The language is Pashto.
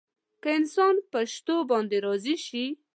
که انسان په شتو باندې راضي شي.